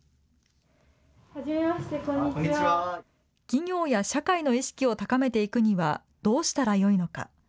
企業や社会の意識を高めていくにはどうしたらよいのか。